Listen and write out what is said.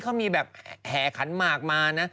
เขามีแบบแห่ขันหมากมานะ